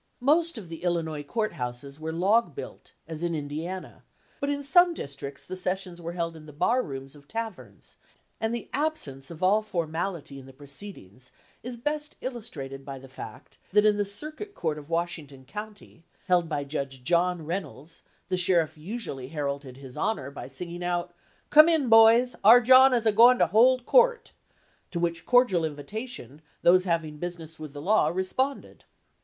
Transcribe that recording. Most of the Illinois court houses were log built, as in Indiana, but in some districts the sessions were held in the bar rooms of taverns, and the ab sence of all formality in the proceedings is best illustrated by the fact that in the Circuit Court of Washington County, held by Judge John Rey nolds, the sheriff usually heralded his Honor by singing out: "Come in, boys! Our John is a goin' to hold court!" to which cordial invi tation those having business with the law re sponded.